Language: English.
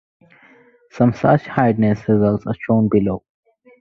Some such hardness results are shown below.